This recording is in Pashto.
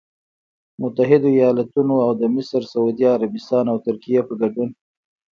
متحدوایالتونو او د مصر، سعودي عربستان او ترکیې په ګډون